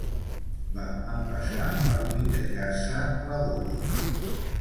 Va empassar per humitejar-se la gola.